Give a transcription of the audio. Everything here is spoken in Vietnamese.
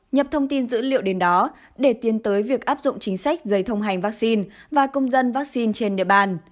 nhập thông tin dữ liệu đến đó để tiến tới việc áp dụng chính sách giấy thông hành vaccine và công dân vaccine trên địa bàn